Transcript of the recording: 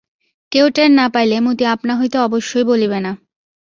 কেউ টের না পাইলে মতি আপনা হইতে অবশ্যই বলিবে না।